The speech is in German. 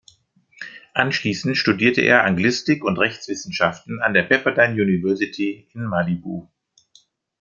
Anschließend studierte er Anglistik und Rechtswissenschaften an der Pepperdine University in Malibu.